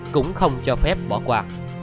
cũng không cho phép bỏ qua